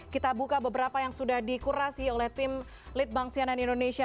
kita buka beberapa yang sudah dikurasi oleh tim litbang sianan indonesia